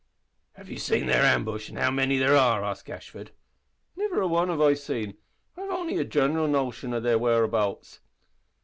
"Have you seen their ambush, and how many there are!" asked Gashford. "Niver a wan have I seen, and I've only a gineral notion o' their whereabouts."